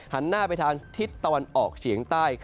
หันหน้าไปทางทิศตะวันออกเฉียงใต้